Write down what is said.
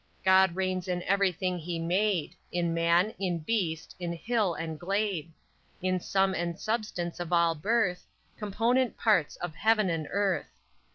_ _God reigns in everything he made In man, in beast, in hill and glade; In sum and substance of all birth; Component parts of Heaven and Earth.